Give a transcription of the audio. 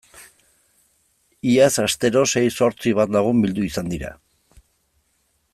Iaz astero sei zortzi bat lagun bildu izan dira.